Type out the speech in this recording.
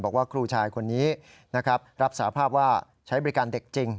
บอกว่าครูชายคนนี้นะครับรับสาภาพว่าใช้บริการเด็กจริง